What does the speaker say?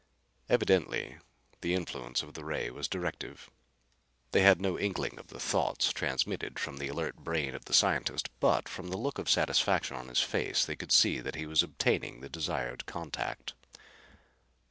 Evidently the influence of the ray was directive. They had no inkling of the thoughts transmitted from the alert brain of the scientist but, from the look of satisfaction on his face, they could see that he was obtaining the desired contact.